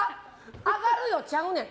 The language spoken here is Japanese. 上がるよちゃうねん。